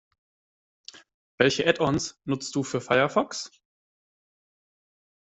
Welche Add-ons nutzt du für Firefox?